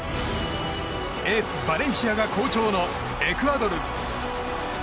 エース、バレンシアが好調のエクアドル。